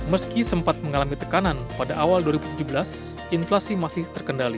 meski sempat mengalami tekanan pada awal dua ribu tujuh belas inflasi masih terkendali